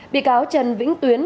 bị cáo trần vĩnh tuyến